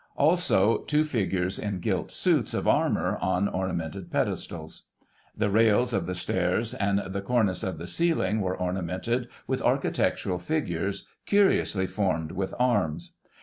Also two figures in gilt suits of armour on ornamented pedestals. The rails of the stairs and the cornice of the ceil ing were ornamented with architectural figures, curiously formed with arms.